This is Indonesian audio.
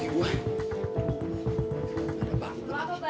gak bisa lihat nafasnya banyak